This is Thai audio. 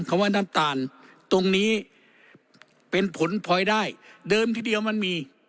ว่าน้ำตาลตรงนี้เป็นผลพลอยได้เดิมทีเดียวมันมี